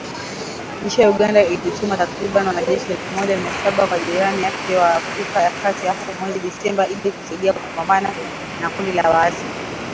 Nchi ya Uganda ilituma takribani wanajeshi elfu moja mia saba kwa jirani yake wa Afrika ya kati hapo mwezi Disemba ili kusaidia kupambana na kundi la waasi.